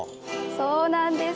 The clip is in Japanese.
そうなんです。